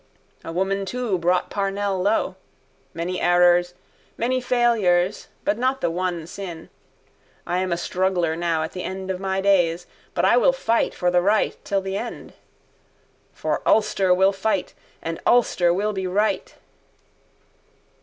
A woman too brought Parnell low. Many errors, many failures but not the one sin. I am a struggler now at the end of my days. But I will fight for the right till the end. For Ulster will fight And Ulster will be right.